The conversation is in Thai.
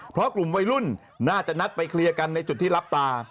เพราะกลุ่มวัยรุ่นน่าจะนัดไปเคลียร์กันในจุดที่รับตา